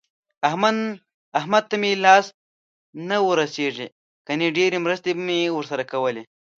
احمد ته مې لاس نه ورسېږي ګني ډېرې مرستې مې ورسره کولې.